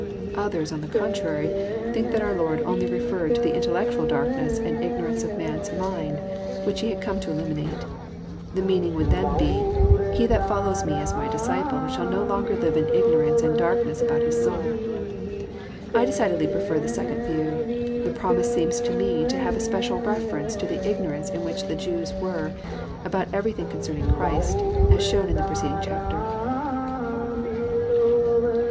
— Others, on the contrary, think that ouir Lord only referred to the intellectual darkness and ignorance of man's mind, which He had come to Illuminate. The meaning would then be, —" He that follows Me as my disciple shall no longer live in Ignorance and darkness about his soul." I decidedly pre fer this second view. The promise seems to me to have a special reference to the Ignorance in which the Jews were, about everything concerning Christ, as shown in the preceding chapter.